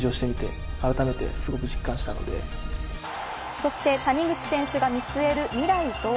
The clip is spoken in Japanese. そして谷口選手が見据える未来とは。